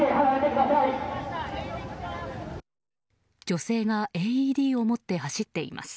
女性がＡＥＤを持って走っています。